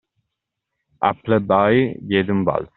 Appleby diede un balzo.